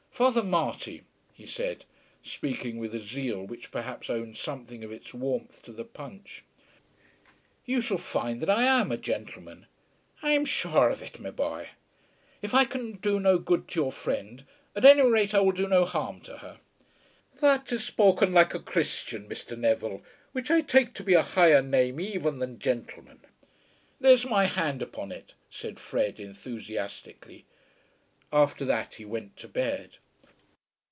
"Father Marty," he said, speaking with a zeal which perhaps owed something of its warmth to the punch, "you shall find that I am a gentleman." "I'm shure of it, my boy." "If I can do no good to your friend, at any rate I will do no harm to her." "That is spoken like a Christian, Mr. Neville, which I take to be a higher name even than gentleman." "There's my hand upon it," said Fred, enthusiastically. After that he went to bed.